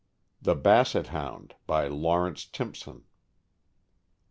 THE BASSET HOUND. BY LAWRENCE TIMPSON.